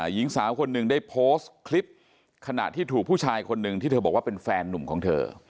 หญิงสาวคนหนึ่งได้โพสต์คลิปขณะที่ถูกผู้ชายคนหนึ่งที่เธอบอกว่าเป็นแฟนหนุ่มของเธอ